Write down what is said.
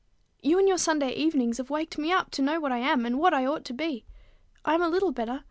You and your Sunday evenings have waked me up to know what I am, and what I ought to be. I am a little better.